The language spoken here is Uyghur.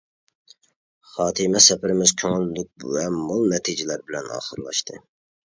خاتىمە سەپىرىمىز كۆڭۈللۈك ۋە مول نەتىجىلەر بىلەن ئاخىرلاشتى.